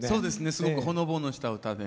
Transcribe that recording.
すごくほのぼのした歌で。